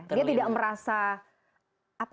dia tidak merasa